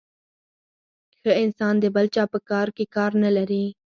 ښه انسان د بل چا په کار کي کار نلري .